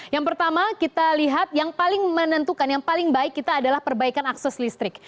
yang pertama kita lihat yang paling menentukan yang paling baik kita adalah perbaikan akses listrik